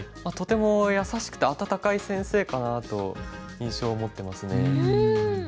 とても優しくて温かい先生かなと印象を持ってますね。